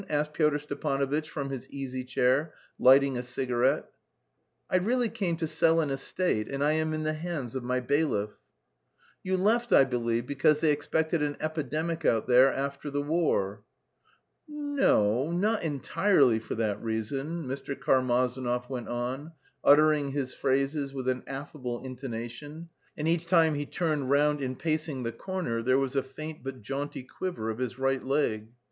asked Pyotr Stepanovitch from his easy chair, lighting a cigarette. "I really came to sell an estate and I am in the hands of my bailiff." "You left, I believe, because they expected an epidemic out there after the war?" "N no, not entirely for that reason," Mr. Karmazinov went on, uttering his phrases with an affable intonation, and each time he turned round in pacing the corner there was a faint but jaunty quiver of his right leg.